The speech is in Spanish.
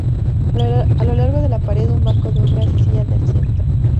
A lo largo de la pared, un banco de obra hacía de asiento.